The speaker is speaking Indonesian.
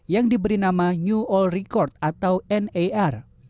yang diberi nama new all record atau nar